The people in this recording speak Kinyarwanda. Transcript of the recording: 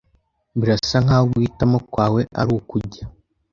Birasa nkaho guhitamo kwawe ari ukujya.